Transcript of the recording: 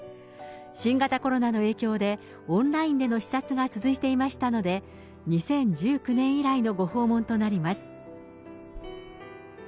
新型コロナの影響で、オンラインでの視察が続いていましたので、２０１９年以来のご訪問となります。